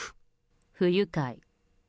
不愉快。